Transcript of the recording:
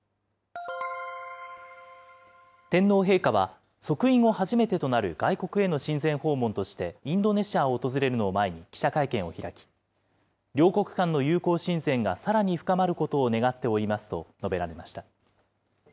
天皇陛下は、即位後初めてとなる外国への親善訪問としてインドネシアを訪れるのを前に、記者会見を開き、両国間の友好親善がさらに深まることを願っておりますと述べられました。